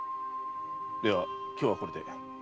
では今日はこれで。